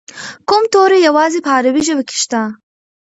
کوم توري یوازې په عربي ژبه کې شته؟